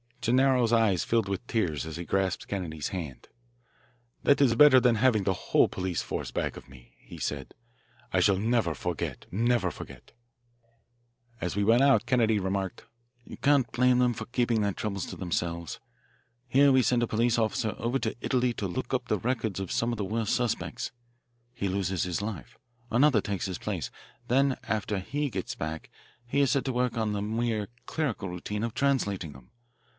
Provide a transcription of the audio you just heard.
Gennaro's eyes filled with tears as he grasped Kennedy's hand. "That is better than having the whole police force back of me," he said. "I shall never forget, never forget." As we went out Kennedy remarked: "You can't blame them for keeping their troubles to themselves. Here we send a police officer over to Italy to look up the records of some of the worst suspects. He loses his life. Another takes his place. Then after he gets back he is set to work on the mere clerical routine of translating them.